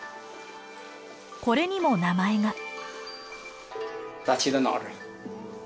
これにも名前が。